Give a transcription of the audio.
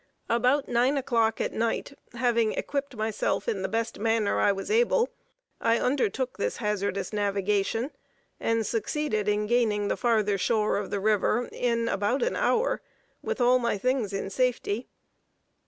About nine o'clock at night, having equipped myself in the best manner I was able, I undertook this hazardous navigation, and succeeded in gaining the farther shore of the river, in about an hour, with all my things in safety.